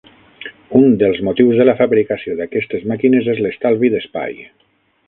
Un dels motius de la fabricació d'aquestes màquines és l'estalvi d'espai.